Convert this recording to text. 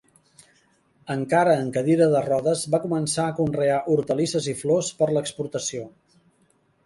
Encara en cadira de rodes, va començar a conrear hortalisses i flors per a l'exportació.